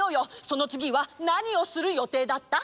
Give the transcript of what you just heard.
そのつぎはなにをする予定だった？